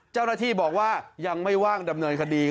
เจ้าหน้าที่บอกว่ายังไม่ว่างดำเนินคดี